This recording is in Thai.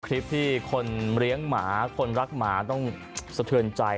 คลิปที่คนเลี้ยงหมาคนรักหมาต้องสะเทือนใจ